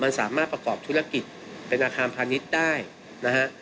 มันสามารถประกอบธุรกิจเป็นอาคารพาณิชย์ได้นะฮะ